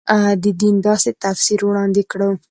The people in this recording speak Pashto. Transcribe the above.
د دین داسې تفسیر وړاندې کړو.